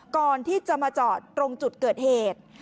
ก่อนที่จะมาจอดตรงจุดเกิดเหตุ